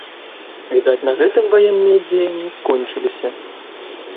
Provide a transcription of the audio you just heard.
Відаць, на гэтым ваенныя дзеянні скончыліся.